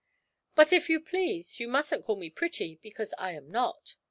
'But, if you please, you mustn't call me pretty because I am not.